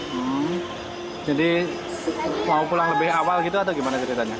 hmm jadi mau pulang lebih awal gitu atau gimana ceritanya